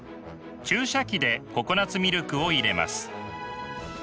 注射器でココナツミルクを入れます。